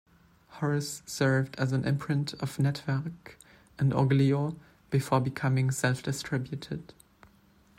Horris served as an imprint of Nettwerk and Oglio before becoming self-distributed.